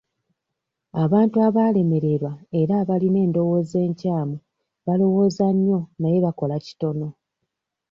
Abantu abaalemererwa era abalina endowooza enkyamu balowooza nnyo naye bakola kitono.